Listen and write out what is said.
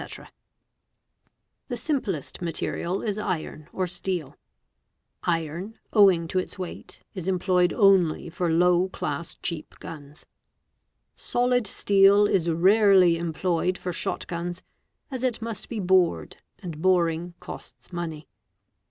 o The simplest material is iron or steel. Iron, owing to its weight, is GUN BARRELS | 417 employed only for low class cheap guns. Solid steel is rarely employed for shot guns, as it must be bored and boring costs money.